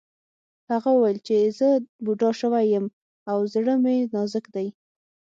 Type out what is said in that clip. هغه وویل چې زه بوډا شوی یم او زړه مې نازک دی